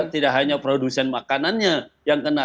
tidak hanya produsen makanannya yang kena